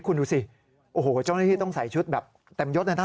คุณดูสิโอ้โหเจ้าหน้าที่ต้องใส่ชุดแบบเต็มยดเลยนะ